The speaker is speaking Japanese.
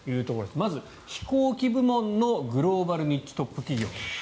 まず飛行機部門のグローバルニッチトップ企業。